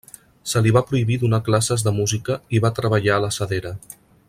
Se li va prohibir donar classes de música i va treballar a la sedera.